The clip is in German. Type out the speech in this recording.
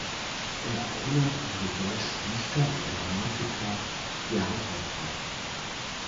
Er erinnert an den deutschen Dichter und Dramatiker Gerhart Hauptmann.